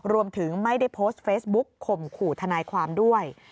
รวมถึงไม่ได้โพสต์เฟซบุ๊กข่มขู่ทนายความด้วย